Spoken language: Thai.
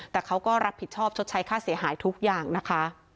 แต่เขาก็รับผิดชอบชดใช้ค่าเสียหายทุกอย่างนะคะ